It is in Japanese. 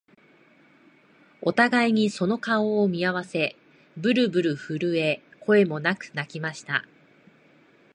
お互いにその顔を見合わせ、ぶるぶる震え、声もなく泣きました